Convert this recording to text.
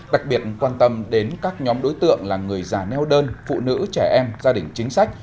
đặc biệt quan tâm đến các nhóm đối tượng là người già neo đơn phụ nữ trẻ em gia đình chính sách